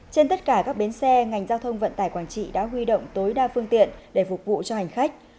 trên tất cả các bến xe ngành giao thông vận tải quảng trị đã huy động tối đa phương tiện để phục vụ cho hành khách